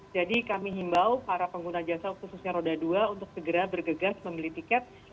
jadi kami himbau para pengguna jasa khususnya roda dua untuk segera bergegas membeli tiket